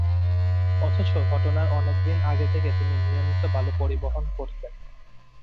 অথচ ঘটনার অনেক দিন আগে থেকে তিনি নিয়মিত বালু পরিবহন করতেন।